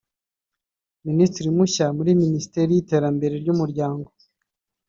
Minisitiri mushya muri Minisiteri y’iterambere ry’Umuryango